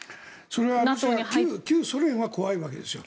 それは旧ソ連は怖いわけですよ。